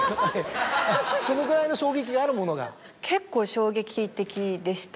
そのぐらいの衝撃があるものが？